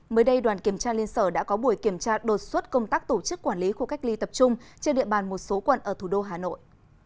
mới đây đoàn kiểm tra liên sở đã có buổi kiểm tra đột xuất công tác tổ chức quản lý khu cách ly tập trung trên địa bàn một số quận ở thủ đô hà nội